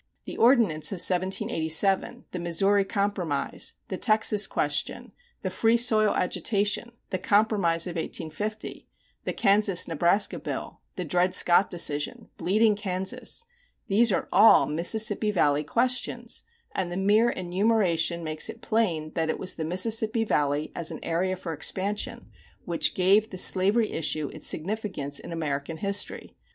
The Ordinance of 1787, the Missouri Compromise, the Texas question, the Free Soil agitation, the Compromise of 1850, the Kansas Nebraska bill, the Dred Scott decision, "bleeding Kansas" these are all Mississippi Valley questions, and the mere enumeration makes it plain that it was the Mississippi Valley as an area for expansion which gave the slavery issue its significance in American history.